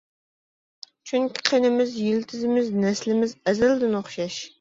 چۈنكى قېنىمىز يىلتىزىمىز نەسلىمىز ئەزەلدىن ئوخشاش.